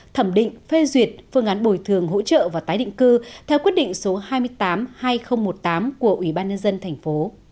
thẩm định phê duyệt phương án bồi thường hỗ trợ và tái định cư theo quyết định số hai mươi tám hai nghìn một mươi tám của ủy ban nhân dân thành phố